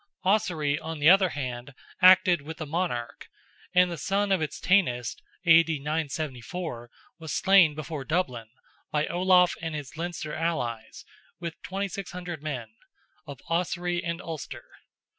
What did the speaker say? Ossory, on the other hand, acted with the monarch, and the son of its Tanist (A.D. 974) was slain before Dublin, by Olaf and his Leinster allies, with 2,600 men, of Ossory and Ulster.